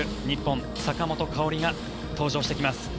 日本、坂本花織が登場してきます。